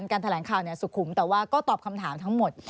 การแถลงข่าวสุขุมแต่ว่าก็ตอบคำถามทั้งหมด